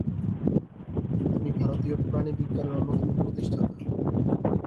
তিনি ভারতীয় প্রাণিবিজ্ঞানের অন্যতম প্রতিষ্ঠাতা।